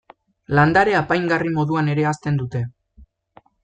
Landare apaingarri moduan ere hazten dute